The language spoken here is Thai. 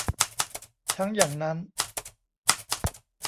ทั้งอย่างนั้น